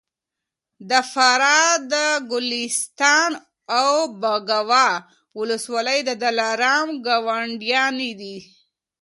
د فراه د ګلستان او بکواه ولسوالۍ د دلارام ګاونډیانې دي